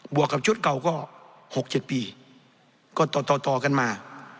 วกกับชุดเก่าก็๖๗ปีก็ต่อต่อกันมา